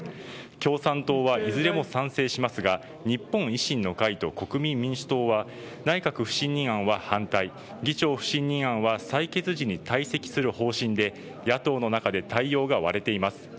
共産党はいずれも賛成しますが日本維新の会と国民民主党は内閣不信任案は反対議長不信任案は採決時に退席する方針で野党の中で対応が割れています。